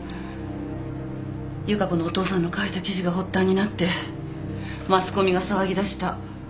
由加子のお父さんの書いた記事が発端になってマスコミが騒ぎだした。